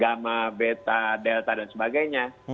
gamma beta delta dan sebagainya